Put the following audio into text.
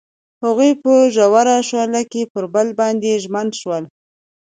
هغوی په ژور شعله کې پر بل باندې ژمن شول.